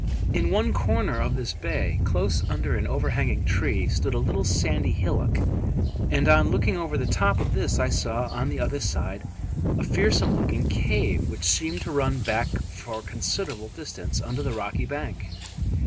In one corner of this bay, close under an overhanging tree, stood a little sandy hillock, and on looking over the top of this I saw on the other side a fearsome looking cave which seemed to run back for a considerable distance under the rocky bank.